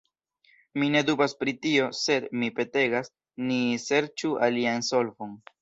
Mi ne dubas pri tio, sed, mi petegas, ni serĉu alian solvon.